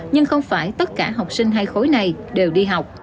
nhưng không phải tất cả học sinh hai khối này đều đi học